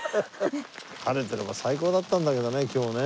晴れてれば最高だったんだけどね今日ね。